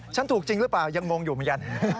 ฉันถูกจริงหรือเปล่ายังมองอยู่มั้ยยัน